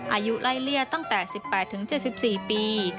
อายุไล่เลี่ยตั้งแต่๑๘๗๔ปี